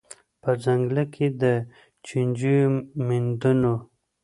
په ځنګله کي د چینجیو د میندلو